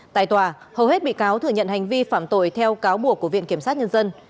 tại tòa hầu hết bị cáo thừa nhận hành vi phạm tội theo cáo buộc của viện kiểm sát nhân dân